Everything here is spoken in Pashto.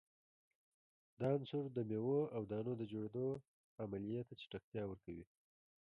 دا عنصر د میو او دانو د جوړیدو عملیې ته چټکتیا ورکوي.